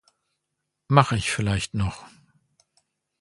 Mache ich vielleicht noch.